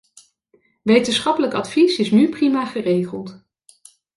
Wetenschappelijk advies is nu prima geregeld.